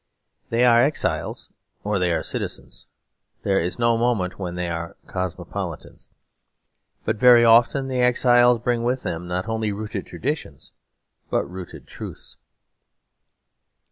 They are exiles or they are citizens; there is no moment when they are cosmopolitans. But very often the exiles bring with them not only rooted traditions, but rooted truths.